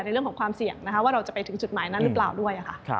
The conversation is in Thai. เรื่องของความเสี่ยงนะคะว่าเราจะไปถึงจุดหมายนั้นหรือเปล่าด้วยค่ะ